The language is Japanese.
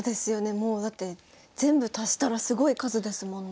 もうだって全部足したらすごい数ですもんね。